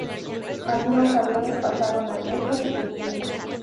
Algunos aviones pasaron a Grecia y Turquía.